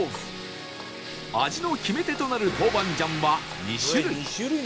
味の決め手となる豆板醤は２種類